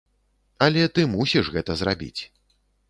Але ты мусіш гэта зрабіць.